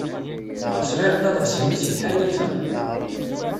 Sɣiɣ-d aḍebsi-nni seg tḥanut-a.